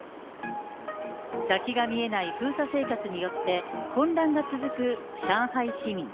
先が見えない封鎖生活によって、混乱が続く上海市民。